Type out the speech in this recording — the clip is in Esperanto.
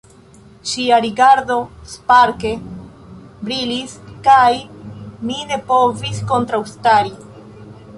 Ŝia rigardo sparke brilis kaj mi ne povis kontraŭstari.